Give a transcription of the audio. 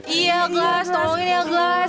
iya glass tauin ya glass